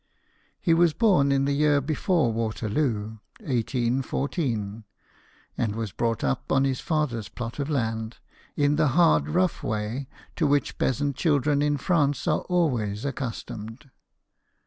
He was born in the year before Waterloo 1814 and was brought up on his father's plot of land, in the hard rough way to which peasant children in France are always ac customed.